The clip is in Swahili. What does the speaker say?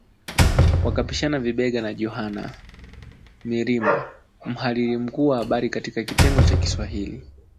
Wakapishana vibega na Johana Mirima, mhariri mkuu wa habari katika kitengo cha Kiswahili